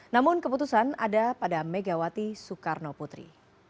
namun keputusan ada pada megawati soekarno putri